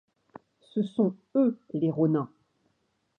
Ce sont eux les rōnin.